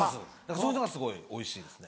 そういうのがすごいおいしいですね。